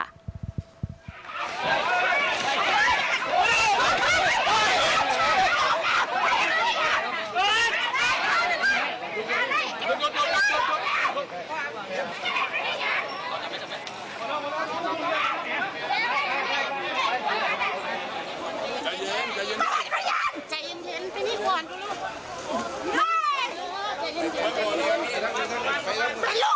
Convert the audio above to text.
กลับมาให้เห็น